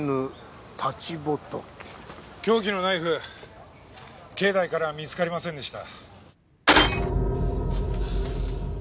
凶器のナイフ境内から見つかりませんでした。